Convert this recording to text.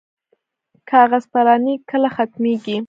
کاغذ پراني کله ختمیږي؟